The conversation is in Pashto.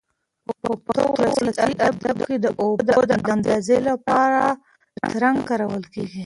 په پښتو ولسي ادب کې د اوبو د اندازې لپاره ترنګ کارول کېږي.